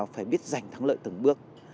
phải biết giành thắng lợi từng bước